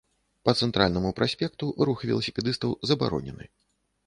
Па цэнтральнаму праспекту рух веласіпедыстаў забаронены.